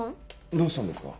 どうしたんですか？